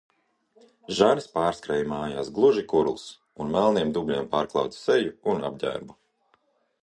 Žanis pārskrēja mājās gluži kurls un melniem dubļiem pārklātu seju un apģērbu.